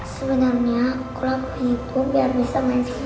sebenarnya aku lakuin itu biar bisa main sama tiara